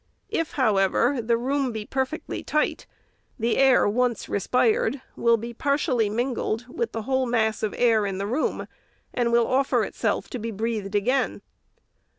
If, however, the room be perfectly tight, the air, once re spired, will be partially mingled with the whole mass of air in the room, and will offer itself to be breathed again.